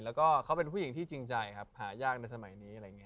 หลังจากเป็นผู้หญิงจริงหายากในสมัยนี้